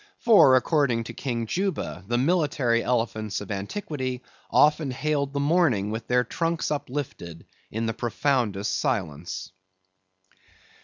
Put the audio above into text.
For according to King Juba, the military elephants of antiquity often hailed the morning with their trunks uplifted in the profoundest silence.